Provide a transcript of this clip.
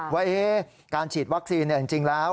ว่าการฉีดวัคซีนจริงแล้ว